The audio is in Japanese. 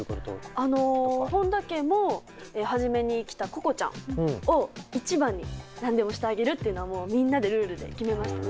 あの本田家も初めに来たＣｏＣｏちゃんを一番に何でもしてあげるっていうのはもうみんなでルールで決めましたね。